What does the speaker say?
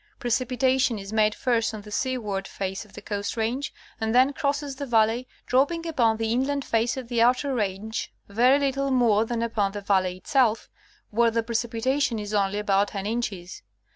Precipitation is made first on the seaward face of the Coast Range, and then crosses the valley, dropping upon the inland face of the outer range very little more than upon the valley itself, where the precipitation is only about 10 inches.